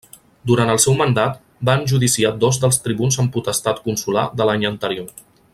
Durant el seu mandat va enjudiciar dos dels tribuns amb potestat consular de l'any anterior.